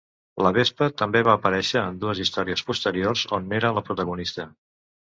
La Vespa també va aparèixer en dues històries posteriors on n'era la protagonista.